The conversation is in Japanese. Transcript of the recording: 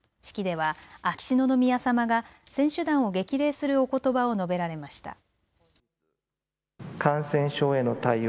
式では、秋篠宮さまが、選手団を激励するおことばを述べられました。